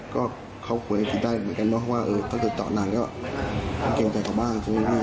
ก็เขาควรให้คิดได้เหมือนกันเพราะว่าถ้าเกิดจอดนานก็เก่งใจขับบ้าน